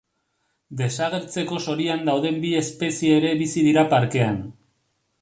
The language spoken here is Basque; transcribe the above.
Desagertzeko zorian dauden bi espezie ere bizi dira parkean.